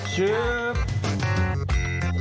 เชียบ